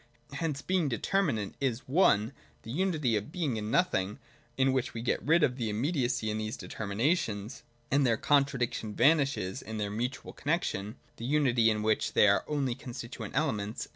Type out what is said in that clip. Hence Being Determinate is (i) the unity of Being and Nothing, in which we get rid 1 70 THE DOCTRINE OF BEING. [Sp, 90. of the immediacy in these determinations, and their contradiction vanishes in their mutual connexion, — the unity in which they are only constituent elements.